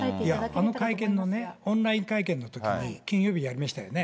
あの会見のね、オンライン会見のときに、金曜日にやりましたよね。